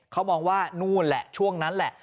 เขามองว่านู่นแหละช่วงนั้นแหละ